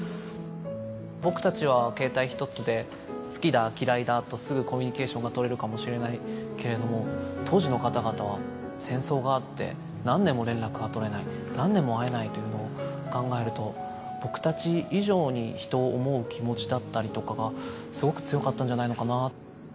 僕たちは携帯一つで好きだ嫌いだとすぐコミュニケーションがとれるかもしれないけれども当時の方々は戦争があって何年も連絡が取れない何年も会えないというのを考えると僕たち以上に人を思う気持ちだったりとかがすごく強かったんじゃないのかな。